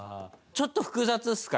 ちょっと複雑ですか？